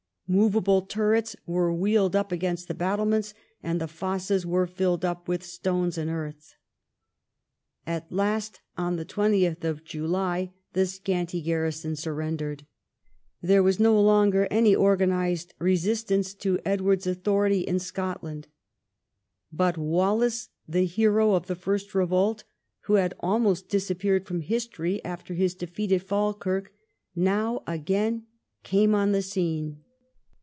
Movable turrets were wheeled up against the battlements, and the fosses were filled up with stones and earth. At last, on 20th July, the scanty garrison surrendered. There was no longer any organised resistance to Edward's authority in Scotland. But Wallace, the hero of the first revolt, who had almost disappeared from history after his defeat at Falkirk, noAv again came on the scene.